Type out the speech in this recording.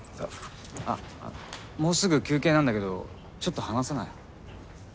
あもうすぐ休憩なんだけどちょっと話さない？